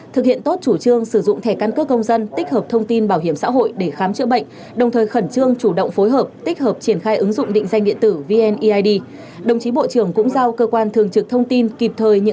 thực hiện tốt chủ trương sử dụng thẻ căn cước công dân tích hợp thông tin bảo hiểm xã hội để khám chữa bệnh